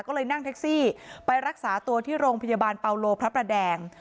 ก็เลยนั่งแท็กซี่ไปรักษาตัวที่โรงพยาบาลเปาโลพระประแดง